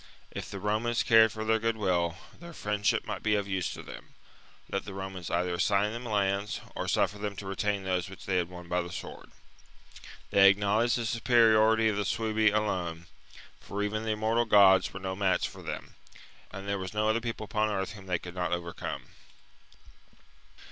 If the Romans cared for their goodwill, their friendship might be of use to them : let the Romans either assign them lands or suffer them to retain those which they had won by the sword. They ac knowledged the superiority of the Suebi alone, for even the immortal gods were no match for them ; and there was no other people upon earth whom they could not overcome.